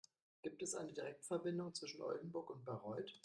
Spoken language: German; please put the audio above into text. Gibt es eine Direktverbindung zwischen Oldenburg und Bayreuth?